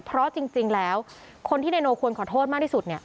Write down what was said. เพราะจริงแล้วคนที่นายโนควรขอโทษมากที่สุดเนี่ย